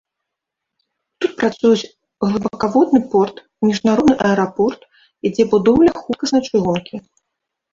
Тут працуюць глыбакаводны порт, міжнародны аэрапорт, ідзе будоўля хуткаснай чыгункі.